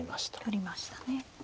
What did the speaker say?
取りましたね。